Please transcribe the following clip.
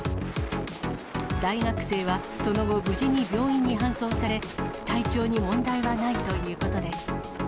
大学生はその後、無事に病院に搬送され、体調に問題はないということです。